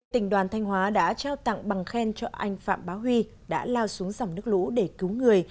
tỉnh đoàn thanh hóa đã trao tặng bằng khen cho anh phạm bá huy đã lao xuống dòng nước lũ để cứu người